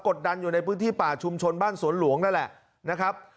ดันอยู่ในพื้นที่ป่าชุมชนบ้านสวนหลวงนั่นแหละนะครับ